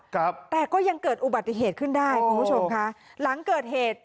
ครับแต่ก็ยังเกิดอุบัติเหตุขึ้นได้คุณผู้ชมค่ะหลังเกิดเหตุ